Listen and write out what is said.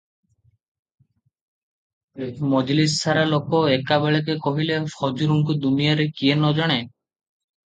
"ମଜଲିସ୍ ସାରା ଲୋକ ଏକାବେଳକେ କହିଲେ ହଜୁରଙ୍କୁ ଦୁନିଆଁରେ କିଏ ନ ଜାଣେ?